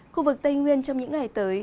khu vực tây nguyên trong những ngày tới